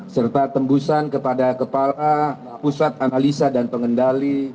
serta tembusan kepada kepala pusat analisa dan pengendali